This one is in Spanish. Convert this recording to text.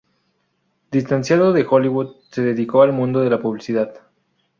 Distanciado de Hollywood, se dedicó al mundo de la publicidad.